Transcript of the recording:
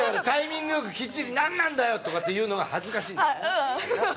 タイミングよくきっちり何なんだよ！とか恥ずかしい？